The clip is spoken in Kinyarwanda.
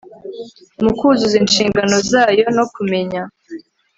mu kuzuza inshingano zayo no kumenya